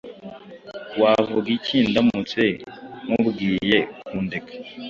Wavuga iki ndamutse nkubwiye kundeka?